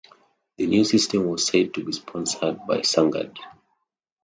The new system was said to be sponsored by Sungard.